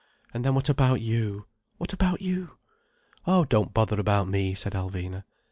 And then what about you? What about you?" "Oh, don't bother about me," said Alvina.